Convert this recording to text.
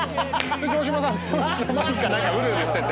城島さんも何かうるうるしてて。